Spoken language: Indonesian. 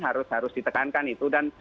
harus ditekankan itu dan